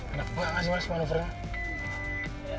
enak banget mas manuvernya